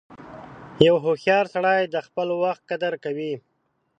• یو هوښیار سړی د خپل وخت قدر کوي.